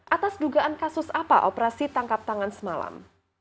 atas dugaan kasus apa operasi tangkap tangan semalam